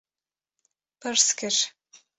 Pirs kir: